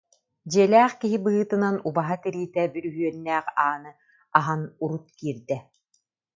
Дьиэлээх киһи быһыытынан убаһа тириитэ бүрүөһүннээх ааны аһан урут киирдэ